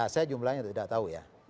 saya jumlahnya tidak tahu ya